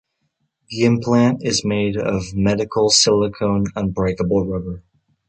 The implant is made of medical silicone unbreakable rubber.